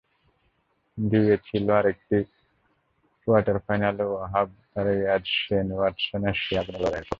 দুইয়ে ছিল আরেকটি কোয়ার্টার ফাইনালে ওয়াহাব রিয়াজ-শেন ওয়াটসনের সেই আগুনে লড়াইয়ের খবর।